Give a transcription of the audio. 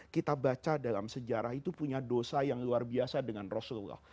kita baca dalam sejarah itu punya dosa yang luar biasa dengan rasulullah